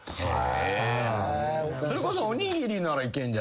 それこそ。